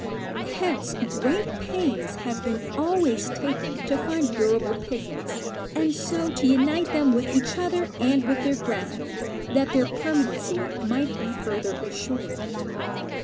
Hence great pains have been always taken to find durable pigments, and so to unite them with each other and with their ground, that their permanency might be further insured.